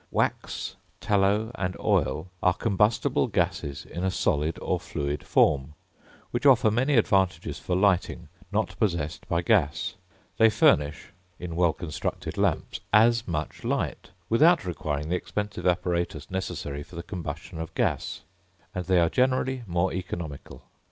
Wax, tallow, and oil, are combustible gases in a solid or fluid form, which offer many advantages for lighting, not possessed by gas: they furnish, in well constructed lamps, as much light, without requiring the expensive apparatus necessary for the combustion of gas, and they are generally more economical.